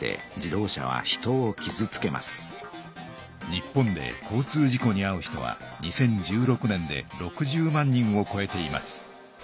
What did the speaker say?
日本で交通事故にあう人は２０１６年で６０万人をこえています。